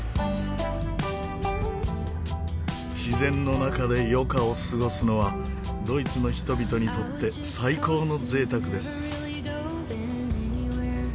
自然の中で余暇を過ごすのはドイツの人々にとって最高の贅沢です。